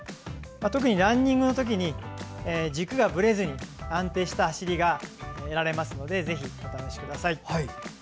特にランニングのときに軸がぶれずに安定した走りが得られますのでお試しください。